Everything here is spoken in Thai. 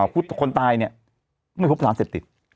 คนตายเนี่ยไม่พบสารเสพติด